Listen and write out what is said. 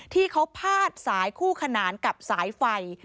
ที่เขาพาดสายคู่ขนานกับสายไฟ